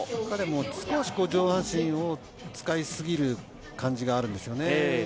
彼も少し上半身を使いすぎる感じがあるんですよね。